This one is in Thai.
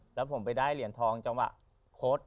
หรือผมไปได้เหรียญทองจังหวัดโค้ช